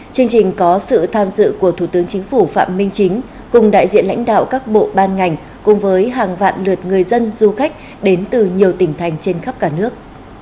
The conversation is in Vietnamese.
chương trình có sự tham dự của thủ tướng chính phủ phạm minh chính cùng đại diện lãnh đạo các bộ ban ngành cùng với hàng vạn lượt người dân du khách đến từ nhiều tỉnh thành trên khắp cả nước